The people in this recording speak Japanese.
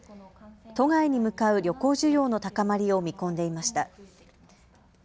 都外に向かう旅行需要の高まりを見込んでいました。